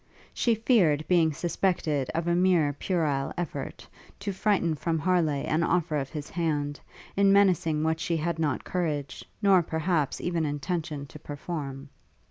She feared being suspected of a mere puerile effort, to frighten from Harleigh an offer of his hand, in menacing what she had not courage, nor, perhaps, even intention to perform.